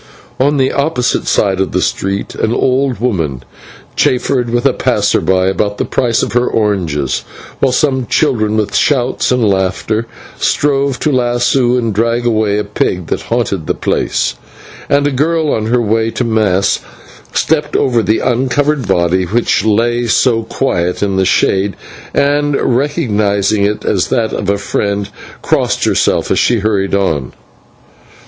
On the opposite side of the street an old woman chaffered with a passer by about the price of her oranges, while some children with shouts and laughter strove to lasso and drag away a pig that haunted the place; and a girl on her way to mass stepped over the uncovered body which lay so quiet in the shade, and, recognising it as that of a friend, crossed herself as she hurried on.